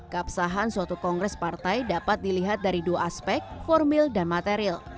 keabsahan suatu kongres partai dapat dilihat dari dua aspek formil dan material